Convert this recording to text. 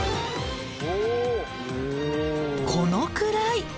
このくらい。